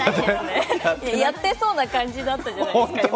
やってそうな感じだったじゃないですか。